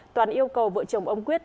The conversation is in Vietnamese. toàn yêu cầu vợ chồng ông quyết